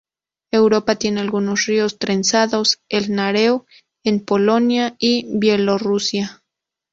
Europa tiene algunos ríos trenzados: el Narew, en Polonia y Bielorrusia.